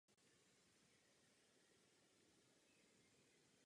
Lambert byl jmenován vrchním velitelem vojsk v Anglii a Skotsku a Fleetwood generálem.